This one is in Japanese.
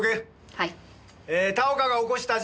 はい。